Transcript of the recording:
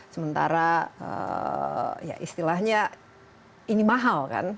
sementara ya istilahnya ini mahal kan